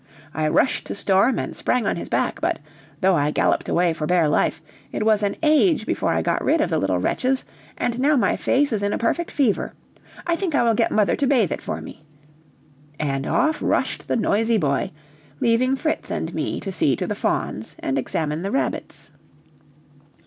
I rushed to Storm and sprang on his back, but, though I galloped away for bare life, it was an age before I got rid of the little wretches, and now my face is in a perfect fever. I think I will get mother to bathe it for me;" and off rushed the noisy boy, leaving Fritz and me to see to the fawns and examine the rabbits.